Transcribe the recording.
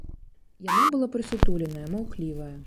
Яна была прысутуленая, маўклівая.